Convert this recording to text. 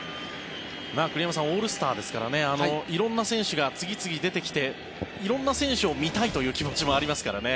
栗山さん、オールスターですから色んな選手が次々出てきて色んな選手を見たいという気持ちもありますからね。